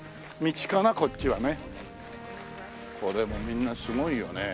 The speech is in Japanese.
これもみんなすごいよねえ。